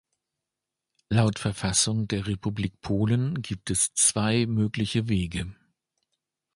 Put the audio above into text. Laut Verfassung der Republik Polen gibt es zwei mögliche Wege.